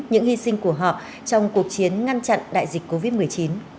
những hy sinh của họ trong cuộc chiến ngăn chặn đại dịch covid một mươi chín